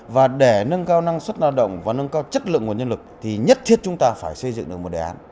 và để nâng cao năng suất lao động và nâng cao chất lượng nguồn nhân lực thì nhất thiết chúng ta phải xây dựng được một đề án